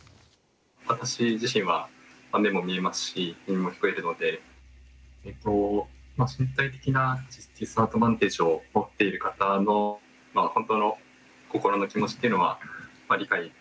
私自身は目も見えますし耳も聞こえてるので身体的なディスアドバンテージをもっている方の本当の心の気持ちっていうのは理解できないのかなと思っていて。